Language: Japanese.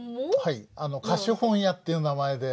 はい貸本屋っていう名前で。